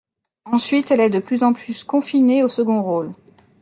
Ensuite, elle est de plus en plus confinée aux seconds rôles.